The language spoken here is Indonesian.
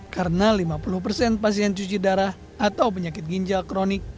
karena lima puluh persen pasien cuci darah atau penyakit ginjal kronik